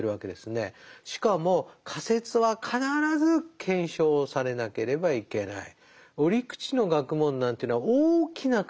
しかも仮説は必ず検証されなければいけない。